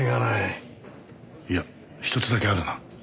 いや一つだけあるな。